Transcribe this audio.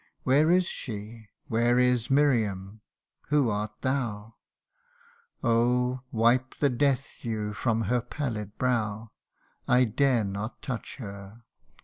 Where is she ? where is Miriam ? who art thou ? Oh ! wipe the death dew from her pallid brow ; I dare not touch her